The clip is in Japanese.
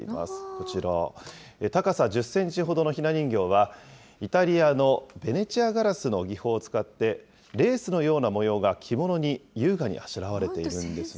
こちら、高さ１０センチほどのひな人形は、イタリアのベネチアガラスの技法を使って、レースのような模様が着物に優雅にあしらわれているんですね。